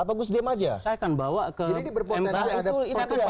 apakah saya sedia saja